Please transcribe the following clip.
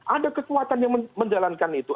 ada kekuatan yang menjalankan itu